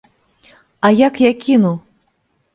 А як я кіну?